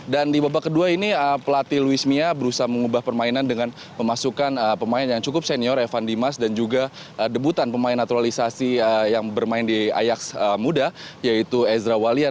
dan di babak kedua ini pelatih luis mia berusaha mengubah permainan dengan memasukkan pemain yang cukup senior evan dimas dan juga debutan pemain naturalisasi yang bermain di ayaks muda yaitu ezra walian